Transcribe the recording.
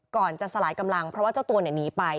ก่อนจะสลายกำลังเพราะว่าเจ้าตัวหนีไป